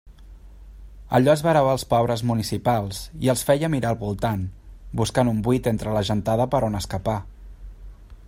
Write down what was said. Allò esverava els pobres municipals i els feia mirar al voltant, buscant un buit entre la gentada per on escapar.